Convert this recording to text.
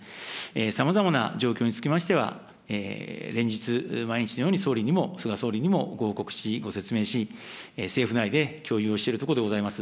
さまざまな状況につきましては、連日毎日のように総理にも、菅総理にもご報告し、ご説明し、政府内で共有をしているところでございます。